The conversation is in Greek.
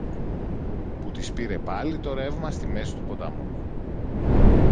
που τις πήρε πάλι το ρεύμα στη μέση του ποταμού.